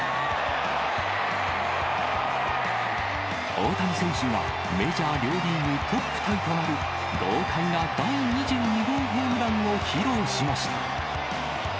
大谷選手はメジャー両リーグトップタイとなる豪快な第２２号ホームランを披露しました。